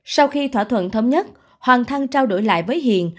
sau khi thỏa thuận thống nhất hoàng thăng trao đổi lại với hiền